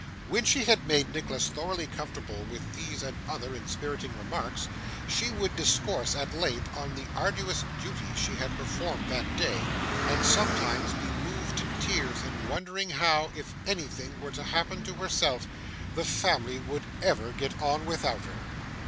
When she had made Nicholas thoroughly comfortable with these and other inspiriting remarks, she would discourse at length on the arduous duties she had performed that day; and, sometimes, be moved to tears in wondering how, if anything were to happen to herself, the family would ever get on without her.